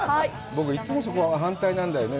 僕、いつもそこ、反対なんだよね。